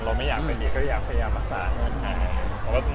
เราไม่อยากเป็นเหลือก็ยังพยายามปรักษาให้เราด้วย